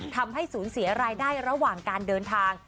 ทำให้สูญเสียรายได้ระหว่างการเดินทาง